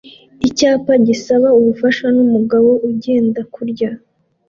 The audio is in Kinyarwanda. Icyapa gisaba ubufasha numugabo ugenda kurya